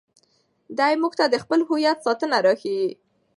دی موږ ته د خپل هویت ساتنه راښيي.